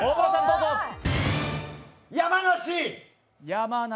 山梨！